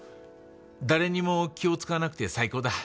誰にも気を使わなくて最高だ。